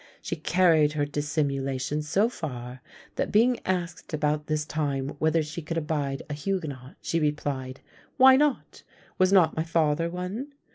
She carried her dissimulation so far, that being asked about this time whether she could abide a Huguenot? she replied, "Why not? was not my father one?"